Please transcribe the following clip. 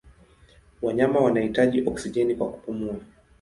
Wanyama wanahitaji oksijeni kwa kupumua.